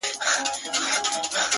• هر غاټول يې زما له وينو رنګ اخيستی,